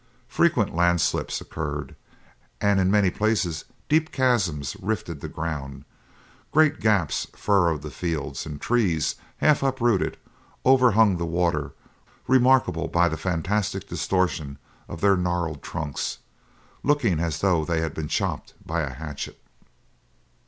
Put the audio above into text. Frequent landslips occurred, and in many places deep chasms rifted the ground; great gaps furrowed the fields, and trees, half uprooted, overhung the water, remarkable by the fantastic distortions of their gnarled trunks, looking as though they had been chopped by a hatchet.